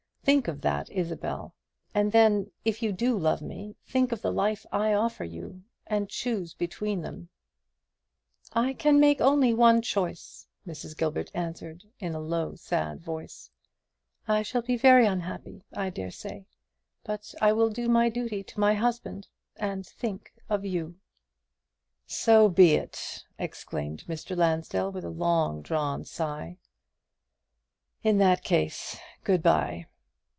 Think of that, Isabel; and then, if you do love me, think of the life I offer you, and choose between them." "I can only make one choice," Mrs. Gilbert answered, in a low sad voice. "I shall be very unhappy, I dare say; but I will do my duty to my husband and think of you." "So be it!" exclaimed Mr. Lansdell, with a long drawn sigh. "In that case, good bye."